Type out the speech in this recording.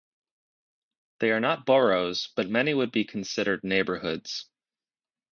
They are not boroughs, but many would be considered neighbourhoods.